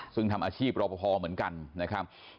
ซึ่งทำอาชีพรอปภเหมือนกันนะครับ